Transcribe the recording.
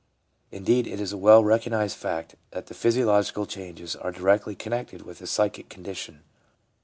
Indeed, it is a well recognised fact that the physiological changes are directly connected with the psychic condition.